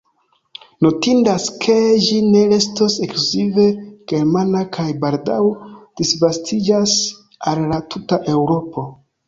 Notindas ke ĝi ne restos ekskluzive germana kaj baldaŭ disvastiĝas al la tuta Eŭropo.